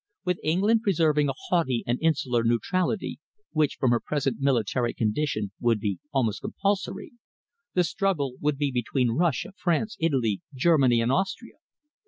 With England preserving a haughty and insular neutrality, which, from her present military condition, would be almost compulsory, the struggle would be between Russia, France, Italy, Germany, and Austria.